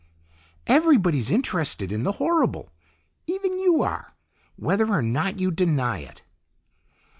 "Everybody's interested in the horrible. Even you are, whether or not you deny it."